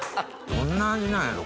どんな味なんやろ？